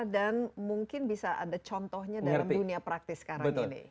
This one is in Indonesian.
dan mungkin bisa ada contohnya dalam dunia praktis sekarang ini